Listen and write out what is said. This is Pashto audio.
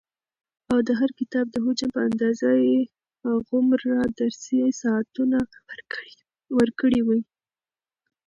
او د هر کتاب د حجم په اندازه يي هغومره درسي ساعتونه ورکړي وي،